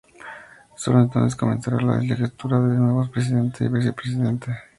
Sólo entonces comenzará la legislatura de los nuevos presidente y vicepresidente.